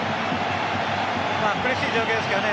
苦しい状況ですけどね